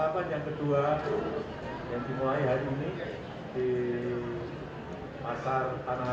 program vaksinasi yang telah kita mulai di tiga belas januari yang lalu